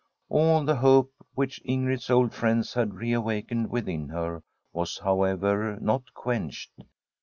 All the hope which Ingrid's old friends had re awakened within her was, however, not quenched.